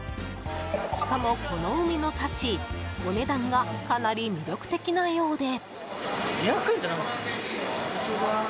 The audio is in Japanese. しかも、この海の幸お値段がかなり魅力的なようで。